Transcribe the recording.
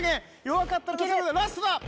弱かったラストだ。